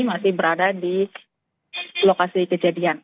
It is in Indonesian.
masih berada di lokasi kejadian